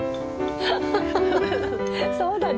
そうだね。